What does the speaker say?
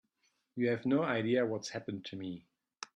You have no idea what's happened to me.